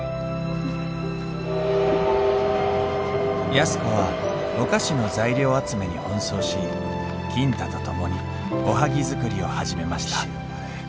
安子はお菓子の材料集めに奔走し金太と共におはぎ作りを始めました